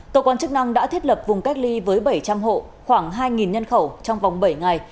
cơ quan chức năng đã thiết lập vùng cách ly với bảy trăm linh hộ khoảng hai nhân khẩu trong vòng bảy ngày